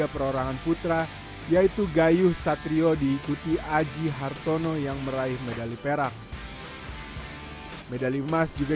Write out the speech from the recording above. perorangan putra yaitu gayuh satrio diikuti aji hartono yang meraih medali perak medali emas juga